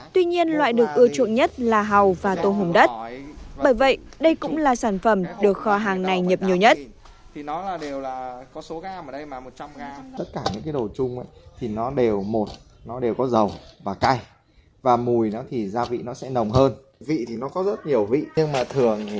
tuy nhiên loại được ưa chuộng nhất là hàu và tô hồng đất bởi vậy đây cũng là sản phẩm được kho hàng này nhập nhiều nhất